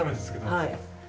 はい。